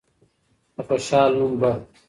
د خوشال نوم به